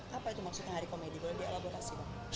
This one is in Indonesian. apa itu maksudnya hari komedi boleh dielaborasi pak